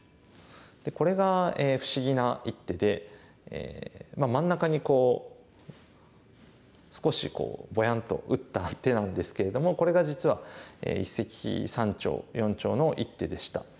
これが不思議な一手で真ん中にこう少しボヤンと打った手なんですけれどもこれが実は一石三鳥四鳥の一手でした。